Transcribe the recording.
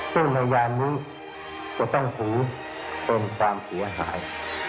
ซึ่งพยานนี้จะต้องถือเป็นความเสียหาย